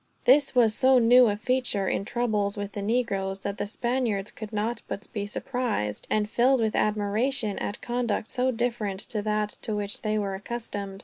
This was so new a feature, in troubles with the negroes, that the Spaniards could not but be surprised, and filled with admiration at conduct so different to that to which they were accustomed.